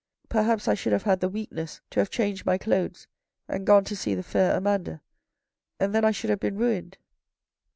Perhaps I should have had the weakness to have changed my clothes and gone to see the fair Amanda, and then I should have been ruined.